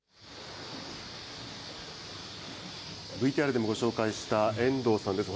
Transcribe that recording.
ＶＴＲでもご紹介した、遠藤さんです。